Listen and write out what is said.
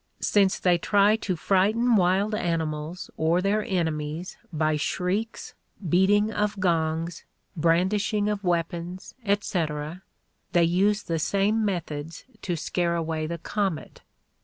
Since they try to frighten wild animals or their enemies by shrieks, beating of gongs, brandishing of weapons, etc., they use the same methods to scare away the comet.